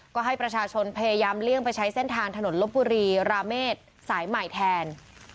ก็ให้ประชาชนพยายามเลี่ยงไปใช้เส้นทางถนนลบบุรีราเมษสายใหม่แทน